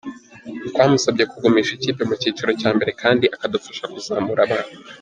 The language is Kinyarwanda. Twamusabye kugumisha ikipe mu cyiciro cya mbere kandi akadufasha kuzamura abana.